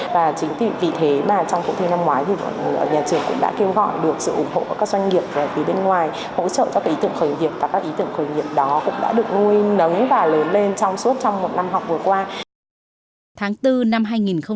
và chính vì thế mà trong cuộc thi năm ngoái thì nhà trường cũng đã kêu gọi được sự ủng hộ của các doanh nghiệp phía bên ngoài hỗ trợ cho cái ý tưởng khởi nghiệp và các ý tưởng khởi nghiệp đó cũng đã được nuôi nấu và lớn lên trong suốt trong một năm học vừa qua